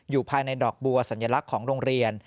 ภายในดอกบัวสัญลักษณ์ของโรงเรียน